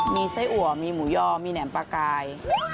มีไส้อัวมีหมูยอมีแหม่มปลากาย